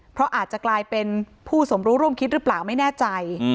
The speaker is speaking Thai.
เพราะอาจจะกลายเป็นผู้สมรู้ร่วมคิดหรือเปล่าไม่แน่ใจ